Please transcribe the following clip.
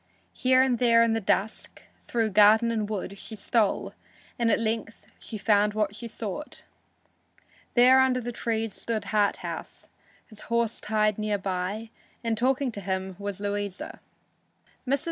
Here and there in the dusk, through garden and wood, she stole, and at length she found what she sought. There under the trees stood Harthouse, his horse tied near by, and talking with him was Louisa. Mrs.